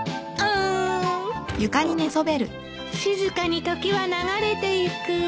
静かに時は流れていく。